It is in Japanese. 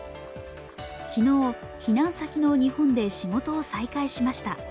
昨日、避難先の日本で仕事を再開しました。